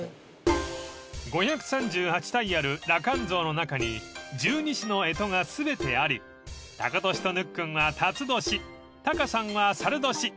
［５３８体ある羅漢像の中に十二支の干支が全てありタカトシとぬっくんは辰年タカさんは申年］